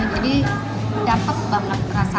jadi dapat banget perasaan